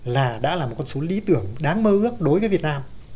là đã là một con số lý tưởng đáng mơ ước đối với việt nam